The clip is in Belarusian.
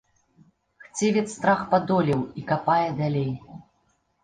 Хцівец страх падолеў і капае далей.